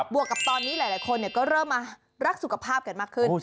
วกกับตอนนี้หลายคนก็เริ่มมารักสุขภาพกันมากขึ้น